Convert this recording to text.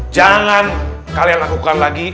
jangan kalian lakukan lagi